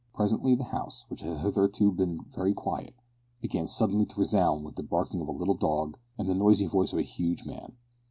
Presently the house, which had hitherto been very quiet, began suddenly to resound with the barking of a little dog and the noisy voice of a huge man.